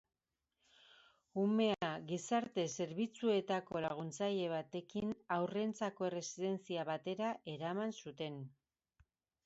Umea gizarte-zerbitzuteako laguntzaile batekin haurrentzako erresidentzia batera eraman zuten.